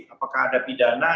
apakah ada pidana